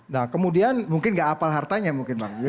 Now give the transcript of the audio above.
nah kemudian mungkin gak apal hartanya mungkin bang